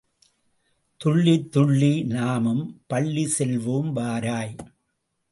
துள்ளித் துள்ளி நாமும் பள்ளி செல்வோம், வாராய்.